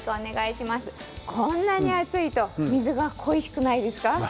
こんなに暑いと水が恋しくないですか？